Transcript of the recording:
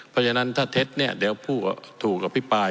เพราะฉะนั้นถ้าเท็จเนี่ยเดี๋ยวผู้ถูกอภิปราย